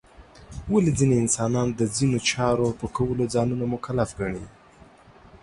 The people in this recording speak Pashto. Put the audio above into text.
ولې ځینې انسانان د ځینو چارو په کولو ځانونه مکلف ګڼي؟